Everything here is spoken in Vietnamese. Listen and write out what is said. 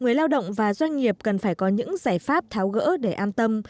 người lao động và doanh nghiệp cần phải có những giải pháp tháo gỡ để an tâm